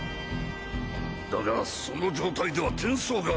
だがその状態では転送が。